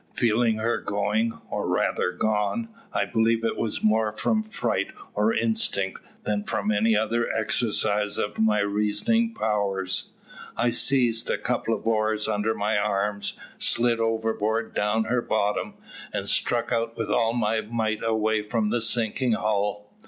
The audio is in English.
Feeling her going, or rather gone, I believe it was more from fright or instinct than from any exercise of my reasoning powers, I seized a couple of oars under my arms, slid overboard down her bottom, and struck out with all my might away from the sinking hull.